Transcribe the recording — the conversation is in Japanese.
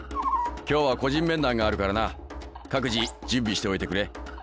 今日は個人面談があるからな各自準備しておいてくれ。